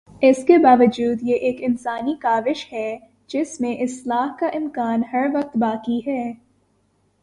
اس کے باوجود یہ ایک انسانی کاوش ہے جس میں اصلاح کا امکان ہر وقت باقی ہے۔